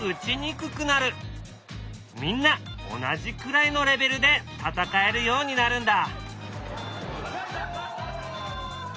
みんな同じくらいのレベルで戦えるようになるんだ。